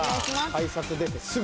改札出てすぐ。